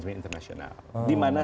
kalau telepon whatsapp gitu apa apa